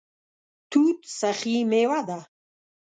توت سخي میوه ده